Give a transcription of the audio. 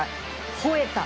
ほえた。